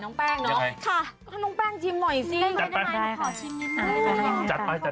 น้องแป้งเนอะค่ะน้องแป้งชิมหน่อยสิได้ไหมขอชิมนิดหน่อยขอบคุณมากค่ะ